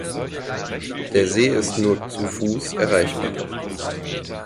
Der See ist nur zu Fuss erreichbar.